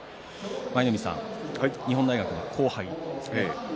舞の海さん、日本大学の後輩です。